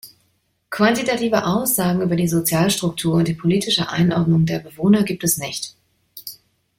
Quantitative Aussagen über die Sozialstruktur und die politische Einordnung der Bewohner gibt es nicht.